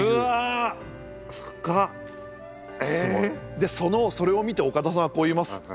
でそのそれを見て岡田さんはこう言います。